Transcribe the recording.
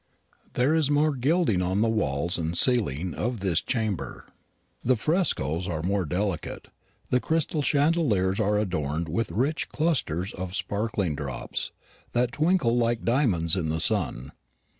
There is more gilding on the walls and ceiling of this chamber; the frescoes are more delicate; the crystal chandeliers are adorned with rich clusters of sparkling drops, that twinkle like diamonds in the sun.